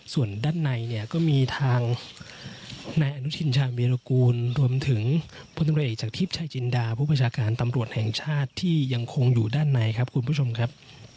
ส่วนด้านในเนี่ยก็มีทางนายอนุทินชาเมรกูลรวมถึงพลตำรวจเอกจากทิพย์ชายจินดาผู้ประชาการตำรวจแห่งชาติที่ยังคงอยู่ด้านในครับคุณผู้ชมครับ